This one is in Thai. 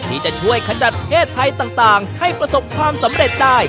ที่จะช่วยขจัดเพศภัยต่างให้ประสบความสำเร็จได้